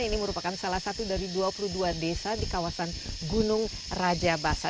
ini merupakan salah satu dari dua puluh dua desa di kawasan gunung raja basa